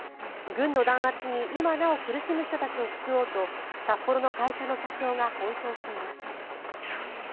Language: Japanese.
軍の弾圧に今なお苦しむ人たちを救おうと札幌の会社の社長が奔走しています。